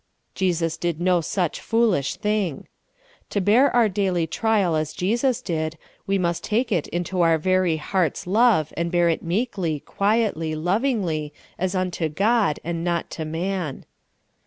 Jesus did no such foolish thing. To bear our daily trial as Jesus did, we must take it into our very heart's love, and bear it meekly, quietly, lovingly, as unto God, and not to man.